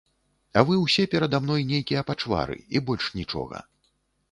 А вы ўсе перада мной нейкія пачвары, і больш нічога.